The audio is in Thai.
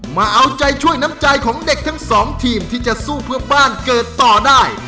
มาเอาใจช่วยน้ำใจของเด็กทั้งสองทีมที่จะสู้เพื่อบ้านเกิดต่อได้